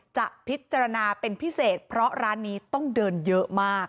จะพิจารณาเป็นพิเศษเพราะร้านนี้ต้องเดินเยอะมาก